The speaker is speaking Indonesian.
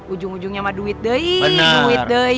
ujung ujungnya sama duit deh